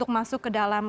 masuk ke dalam